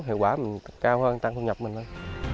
hiệu quả mình cao hơn tăng thu nhập mình lên